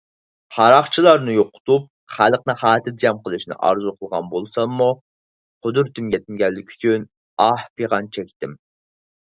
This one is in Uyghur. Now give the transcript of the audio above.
قاراقچىلارنى يوقىتىپ، خەلقنى خاتىرجەم قىلىشنى ئارزۇ قىلغان بولساممۇ، قۇدرىتىم يەتمىگەنلىكى ئۈچۈن ئاھ - پىغان چەكتىم.